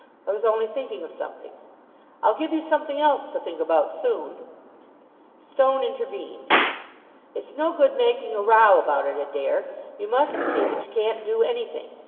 "I was only thinking of something." "I'll give you something else to think about soon." Stone intervened. "It's no good making a row about it, Adair. You must see that you can't do anything.